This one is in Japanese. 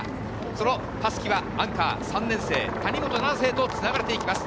その襷はアンカー３年生、谷本七星へと繋がれていきます。